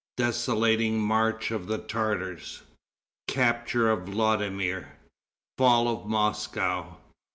Desolating March of the Tartars. Capture of Vladimir. Fall of Moscow.